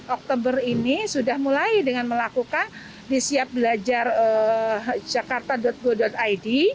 oktober ini sudah mulai dengan melakukan disiap belajar jakarta go id